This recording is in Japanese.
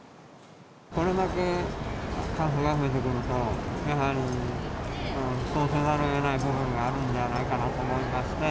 これだけ感染が増えてくると、やはりそうせざるをえない部分があるんじゃないかなと思いますね。